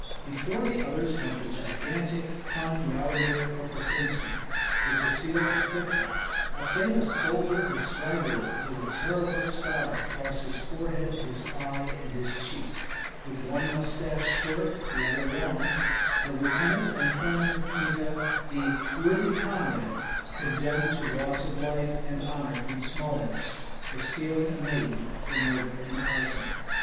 Before the others went the gigantic Pan Yaromir Kokosinski, with the seal of Pypka, a famous soldier and swaggerer, with a terrible scar across his forehead, his eye, and his cheek, with one mustache short, the other long, the lieutenant and friend of Kmita, the "worthy comrade," condemned to loss of life and honor in Smolensk for stealing a maiden, for murder and arson.